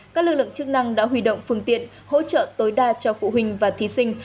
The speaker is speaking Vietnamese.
các lực lượng chức năng đã huy động phương tiện hỗ trợ tối đa cho phụ huynh và thí sinh